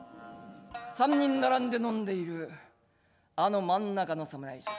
「三人並んで飲んでいるあの真ん中の侍じゃ。